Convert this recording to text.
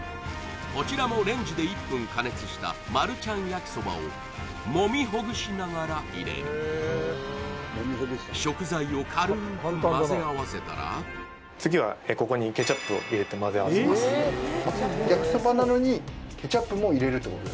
こちらもしたマルちゃん焼そばをもみほぐしながら入れる食材を軽く混ぜ合わせたら次はここにケチャップを入れて混ぜ合わせますそうですね